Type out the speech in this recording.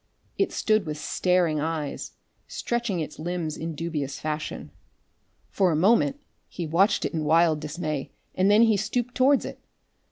It stood with staring eyes, stretching its limbs in dubious fashion. For a moment he watched it in wild dismay, and then he stooped towards it.